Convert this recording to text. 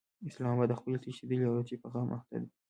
اسلام اباد د خپلې تښتېدلې عورتې په غم اخته دی.